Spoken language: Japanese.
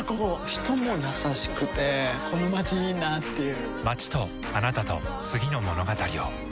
人も優しくてこのまちいいなぁっていう